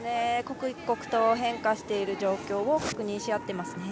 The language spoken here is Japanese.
刻一刻と変化している状況を確認し合っています。